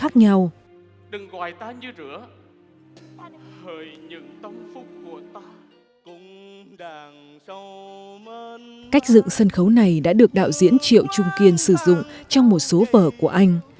cách dựng sân khấu này đã được đạo diễn triệu trung kiên sử dụng trong một số vở của anh